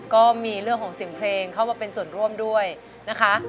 ก็มีเรื่องของเสียงเพลงเข้ามาเป็นส่วนร่วมด้วยนะคะ